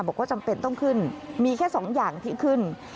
จำเป็นต้องขึ้นมีแค่๒อย่างที่ขึ้น